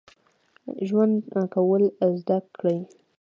ژوند کول زده کړئ